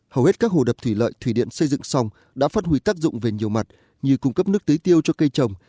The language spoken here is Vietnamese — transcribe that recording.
hầu hết các hồ đập thủy lợi thủy điện xây dựng xong đã phát huy tác dụng về nhiều mặt như cung cấp nước tưới tiêu cho cây trồng